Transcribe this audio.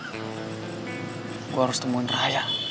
gue harus temuin ryan